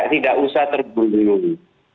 tidak usah terburu buru